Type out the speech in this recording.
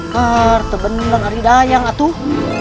karta benang hari dayang atuh